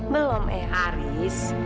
belum eh haris